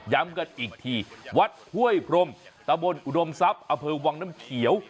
ย้ำกันอีกทีวัดห้วยพรมตะบนอุดมทรัพย์อำเภอวังน้ำเขียว